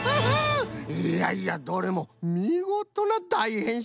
いやいやどれもみごとなだいへんしんじゃったな。